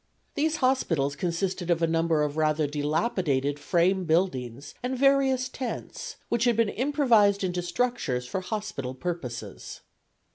These hospitals consisted of a number of rather dilapidated frame buildings and various tents which had been improvised into structures for hospital purposes.